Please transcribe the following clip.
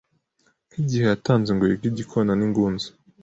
nkigihe yatanze ngo yige igikona ningunzu